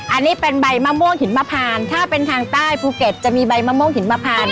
อันนี้เป็นใบมะม่วงหินมะพานถ้าเป็นทางใต้ภูเก็ตจะมีใบมะม่วงหินมะพาน